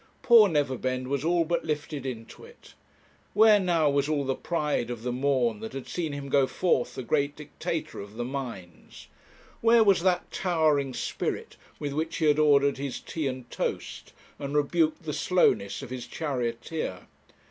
Poor Neverbend was all but lifted into it. Where now was all the pride of the morn that had seen him go forth the great dictator of the mines? Where was that towering spirit with which he had ordered his tea and toast, and rebuked the slowness of his charioteer?